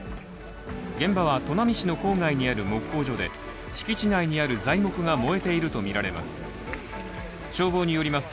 現場は砺波市の郊外にある木工所で、敷地内にある材木が燃えているとみられます。